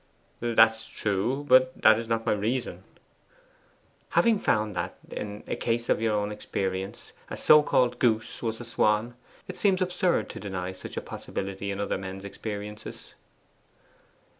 'That's true; but that is not my reason.' 'Having found that, in a case of your own experience, a so called goose was a swan, it seems absurd to deny such a possibility in other men's experiences.